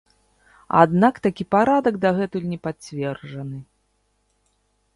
Аднак такі парадак дагэтуль не пацверджаны.